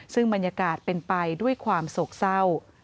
ซึ่งบรรยากาศเป็นไปด้วยความโศกเศร้า